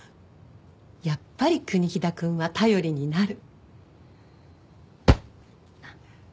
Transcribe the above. やっぱり国木田くんは頼りになる。